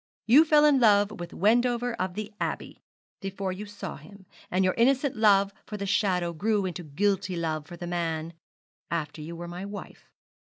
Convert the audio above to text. You fell in love with Wendover of the Abbey, before you saw him; and your innocent love for the shadow grew into guilty love for the man, after you were my wife.